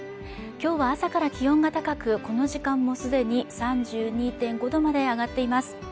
今日は朝から気温が高くこの時間もすでに３２．５度まで上がっています